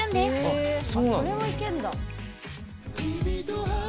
あっそれもいけんだ。